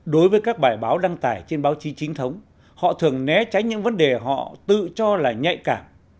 đối với các bài báo đăng tải trên báo chí chính thống họ thường né tránh những vấn đề họ tự cho là nhạy cảm